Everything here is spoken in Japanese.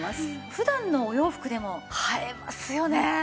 普段のお洋服でも映えますよね。